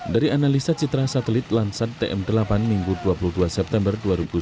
dari analisa citra satelit lansat tm delapan minggu dua puluh dua september dua ribu sembilan belas